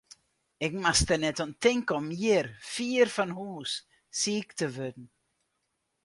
Ik moast der net oan tinke om hjir, fier fan hús, siik te wurden.